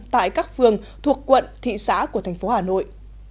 tại các phường thuộc quận thị xã của thành phố hà nội